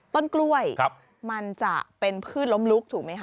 ต้นกล้วยมันจะเป็นพืชล้มลุกถูกไหมค